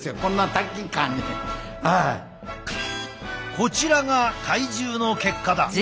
こちらが体重の結果だ。え？